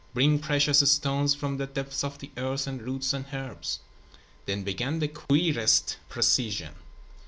Bring precious stones from the depths of the earth and roots and herbs." Then began the queerest procession.